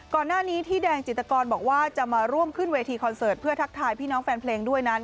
ก่อนหน้านี้ที่แดงจิตกรบอกว่าจะมาร่วมขึ้นเวทีคอนเสิร์ตเพื่อทักทายพี่น้องแฟนเพลงด้วยนั้น